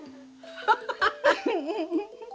ハハハハ。